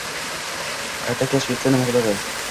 qayta kashf etsa nima bo’ladi?